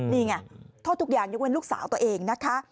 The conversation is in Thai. นี่ไงโทษทุกอย่างเองก็เป็นลูกสาวตัวเอง